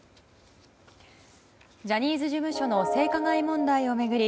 ジャニーズ事務所の性加害問題を巡り